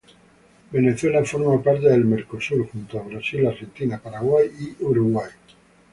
Venezuela forma parte del Mercosur junto a Brasil, Argentina, Paraguay y Uruguay.